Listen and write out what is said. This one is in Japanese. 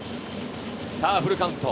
さぁフルカウント。